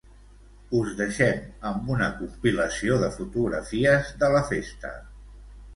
Us deixem amb una compilació de fotografies de la festa.